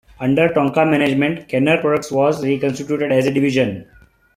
Under Tonka management, Kenner Products was reconstituted as a division.